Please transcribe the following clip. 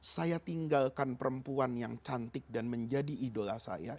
saya tinggalkan perempuan yang cantik dan menjadi idola saya